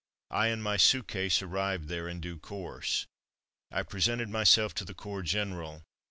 I and my suit case arrived there in due course. I presented myself to the corps general.